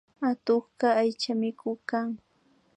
Atukka aychamikuk kan